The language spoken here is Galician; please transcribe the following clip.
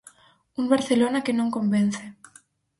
Un Barcelona que non convence.